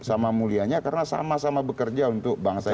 sama mulianya karena sama sama bekerja untuk bangsa ini